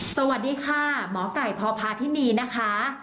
สวัสดีค่ะหมอไก่พพาธินีนะคะ